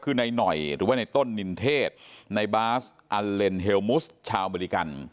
คือนายหน่อยหรือว่าในต้นนินเทศในบาสอันเลนเฮลมุสชาวอเมริกัน